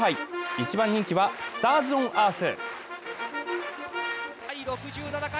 一番人気はスターズオンアース。